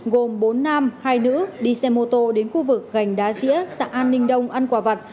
gồm bốn nam hai nữ đi xe mô tô đến khu vực gành đá dĩa xã an ninh đông ăn quả vặt